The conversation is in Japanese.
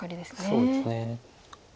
そうですね。